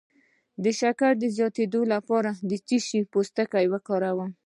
د شکر د زیاتیدو لپاره د څه شي پوستکی وکاروم؟